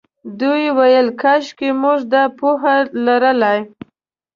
دوی ویل کاشکې موږ دا پوهه لرلای.